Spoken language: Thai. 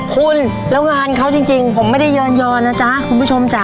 คุณแล้วงานเขาจริงผมไม่ได้ยอนนะจ๊ะคุณผู้ชมจ๊ะ